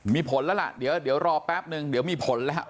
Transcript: มีผลแล้วล่ะเดี๋ยวรอแป๊บนึงเดี๋ยวมีผลแล้ว